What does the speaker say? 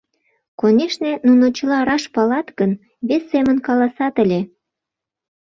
Конешне, нуно чыла раш палат гын, вес семын каласат ыле.